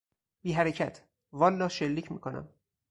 بی حرکت، والا شلیک میکنم.